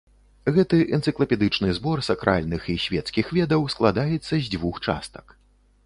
Гэты энцыклапедычны збор сакральных і свецкіх ведаў складаецца з дзвюх частак.